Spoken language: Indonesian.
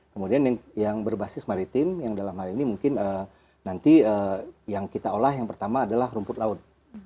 kemudian yang berbasis maritim yang dalam hal ini mungkin nanti yang kita olah yang pertama adalah rumput laut